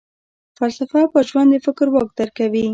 فلسفه پر ژوند د فکر واک درکوي.